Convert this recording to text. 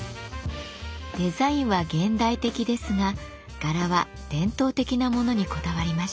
デザインは現代的ですが柄は伝統的なものにこだわりました。